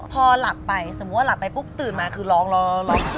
พอหลับไปสมมุติว่าหลับไปปุ๊บตื่นมาคือร้องร้อง